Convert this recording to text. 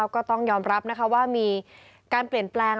ก็ต้องยอมรับว่ามีการเปลี่ยนแปลง